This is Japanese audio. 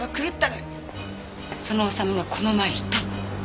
その修がこの前言ったの。